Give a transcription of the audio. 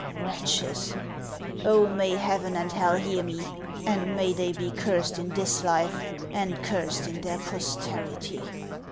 Wretches ! Oh, may heaven and hell hear me, and may they be cursed in this life and cursed in their posterity